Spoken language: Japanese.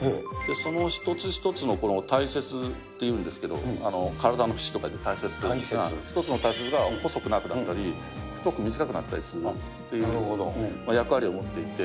その一つ一つの体節っていうんですけど、体の節と書いて体節と、１つの体節が細く長くなったり、太く短くなったりするという所、役割を持っていて。